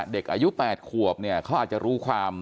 เด็กอายุ๘ขวบเนี่ยเขาอาจจะรู้ความ